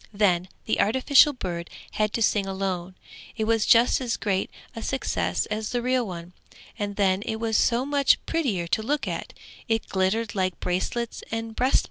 Then the artificial bird had to sing alone. It was just as great a success as the real one, and then it was so much prettier to look at; it glittered like bracelets and breast pins.